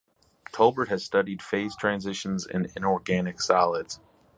Tolbert has studied phase transitions in inorganic solids.